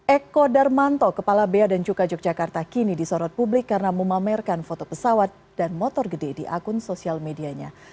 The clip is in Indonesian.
eko darmanto kepala bea dan cuka yogyakarta kini disorot publik karena memamerkan foto pesawat dan motor gede di akun sosial medianya